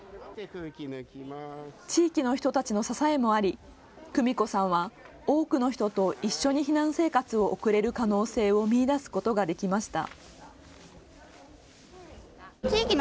地域の人たちの支えもあり久美子さんは多くの人と一緒に避難生活を送れる可能性を見いだすことができました。